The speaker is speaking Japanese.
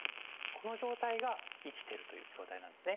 この状態が生きてるという状態なんですね。